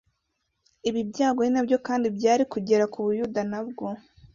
ibi byago ni nabyo kandi byari kugera ku buyuda nabwo